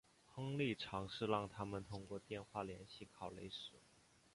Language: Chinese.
亨利尝试让他们通过电话联系考雷什。